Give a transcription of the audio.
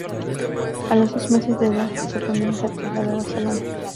A los dos meses de edad su familia se trasladó a Barcelona.